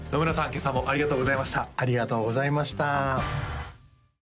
今朝もありがとうございました